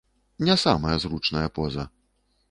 Не самая зручная поза.